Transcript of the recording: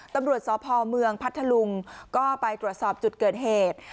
ตำรวจสพเมืองพัทธลุงก็ไปตรวจสอบจุดเกิดเหตุ